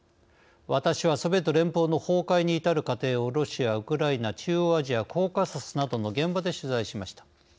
私はソビエト連邦の崩壊に至る過程をロシア、ウクライナ、中央アジアコーカサスなどの現場で取材しました。